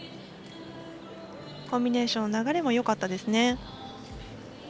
コンビネーションの流れもよかったですね。